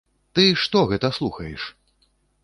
Ты, што гэта слухаеш?